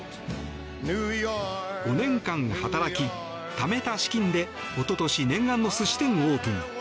５年間働き、ためた資金で一昨年念願の寿司店をオープン。